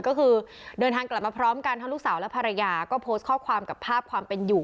ก็คือเดินทางกลับมาพร้อมกันทั้งลูกสาวและภรรยาก็โพสต์ข้อความกับภาพความเป็นอยู่